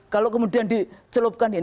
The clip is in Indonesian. kalau kemudian dicelupkan ya